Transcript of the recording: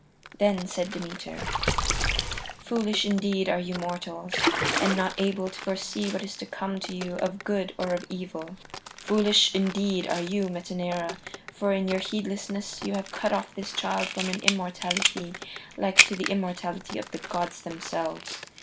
Then said Demeter: "Foolish indeed are you mortals, and not able to foresee what is to come to you of good or of evil." "Foolish indeed are you, Metaneira, for in your heedlessness you have cut off this child from an immortality like to the immortality of the gods themselves.